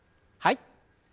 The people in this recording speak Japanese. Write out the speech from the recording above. はい。